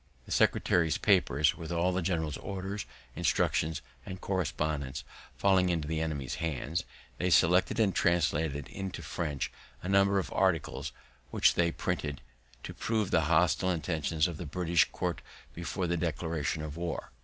The secretary's papers, with all the general's orders, instructions, and correspondence, falling into the enemy's hands, they selected and translated into French a number of the articles, which they printed, to prove the hostile intentions of the British court before the declaration of war.